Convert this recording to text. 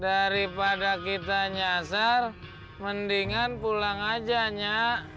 daripada kita nyasar mendingan pulang aja nyak